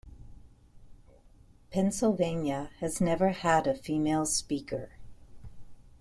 Pennsylvania has never had a female speaker.